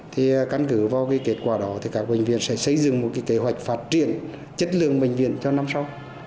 thì căn cứ vào kết quả đó thì các bệnh viện sẽ xây dựng một kế hoạch phát triển chất lượng bệnh viện cho năm sau